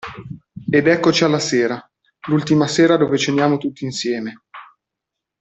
Ed eccoci alla sera, l'ultima sera dove ceniamo tutti insieme.